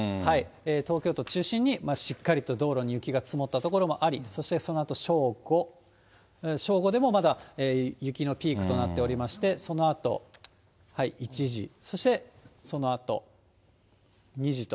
東京都中心に、しっかりと道路に雪が積もった所もあり、そしてそのあと正午、正午でもまだ雪のピークとなっておりまして、そのあと、１時、そしてそのあと２時と。